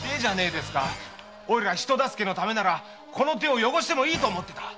おいら人助けのためならこの手を汚してもいいと思ってた。